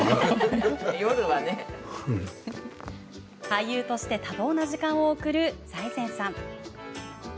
俳優として多忙な時間を送る財前さん。